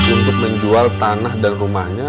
untuk menjual tanah dan rumahnya